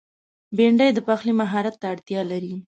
بېنډۍ د پخلي مهارت ته اړتیا لري